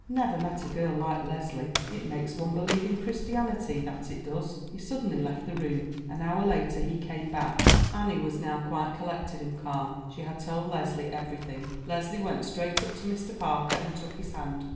"Never met a girl like Leslie; it makes one believe in Christianity; that it does." He suddenly left the room. An hour later he came back. Annie was now quite collected and calm. She had told Leslie everything. Leslie went straight up to Mr. Parker, and took his hand.